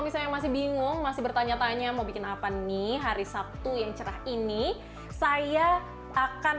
misalnya masih bingung masih bertanya tanya mau bikin apa nih hari sabtu yang cerah ini saya akan